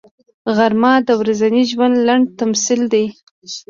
غرمه د ورځني ژوند لنډ تمثیل دی